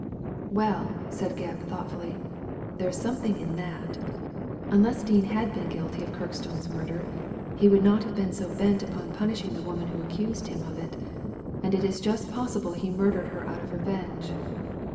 "Well," said Gebb, thoughtfully, there is some thing in that Unless Dean had been guilty of Kirkstonc's murder, he would not have been so bent upon punishing the woman who accused him of it, and it is just possible he murdered her out of revenge.